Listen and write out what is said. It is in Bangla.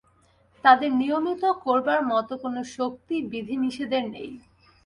তাঁদের নিয়মিত করবার মত কোন শক্তিই বিধি-নিষেধের নেই।